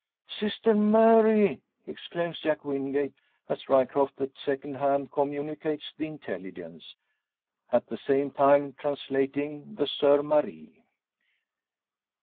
"Sister Mary!" exclaims Jack Wingate, as Ryecroft at second hand communicates the intelligence at the same time translating the "Soeur Marie."